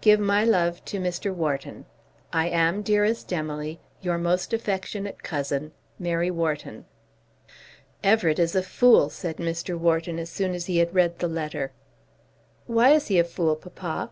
Give my love to Mr. Wharton. I am, dearest Emily, Your most affectionate Cousin, MARY WHARTON. "Everett is a fool," said Mr. Wharton as soon as he had read the letter. "Why is he a fool, papa?"